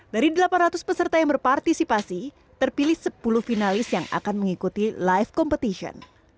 dari delapan ratus peserta yang berpartisipasi terpilih sepuluh finalis yang akan mengikuti live competition